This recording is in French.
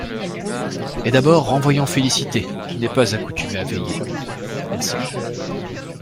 Et d’abord renvoyons Félicité, qui n’est pas accoutumée à veiller. elle sonne.